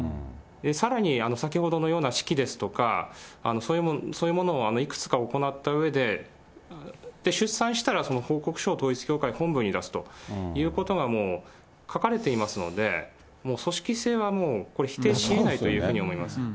さらに先ほどのようなしきですとか、そういうものをいくつか行ったうえで、出産したらその報告書を統一教会本部に出すということが書かれていますので、もう組織性はこれ否定できないと思いますね。